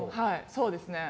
そうですね。